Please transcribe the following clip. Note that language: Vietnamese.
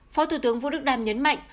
phó thủ tướng vũ đức đam nhấn mạnh